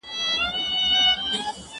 ¬ چي هلکه وه لا گوزکه وه.